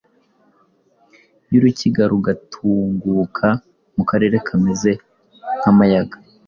yurukiga rugatunguka mu karere kameze nk’amayaga .